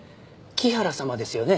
木原様ですよね。